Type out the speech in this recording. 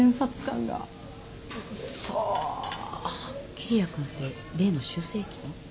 桐矢君って例の修正液の？